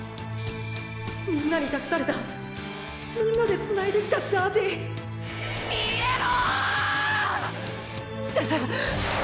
みんなに託されたみんなでつないできたジャージ見えろ！